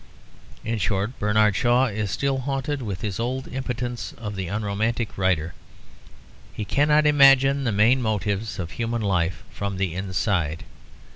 In short, Bernard Shaw is still haunted with his old impotence of the unromantic writer; he cannot imagine the main motives of human life from the inside.